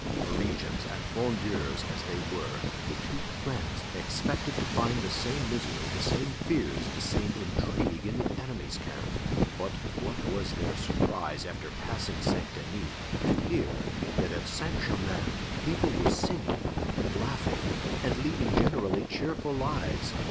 Parisians and Frondeurs as they were, the two friends expected to find the same misery, the same fears, the same intrigue in the enemy's camp; but what was their surprise, after passing Saint Denis, to hear that at Saint Germain people were singing and laughing, and leading generally cheerful lives.